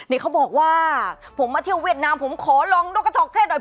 นี่เขาบอกว่าผมมาเที่ยวเวียดนามผมขอลองนกกระท็อกเทศหน่อย